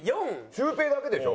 シュウペイだけでしょ？